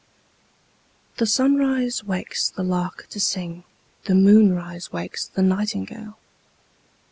The sunrise wakes the lark to sing, The moonrise wakes the nightingale.